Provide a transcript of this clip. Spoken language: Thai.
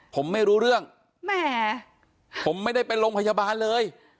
ผมไม่รู้เรื่องแหมผมไม่ได้ไปโรงพยาบาลเลย